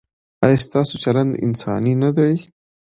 ایا ستاسو چلند انساني نه دی؟